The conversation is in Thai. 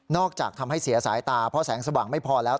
จากทำให้เสียสายตาเพราะแสงสว่างไม่พอแล้ว